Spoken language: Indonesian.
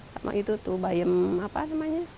sama itu tuh bayem apa namanya